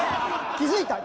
気づいた。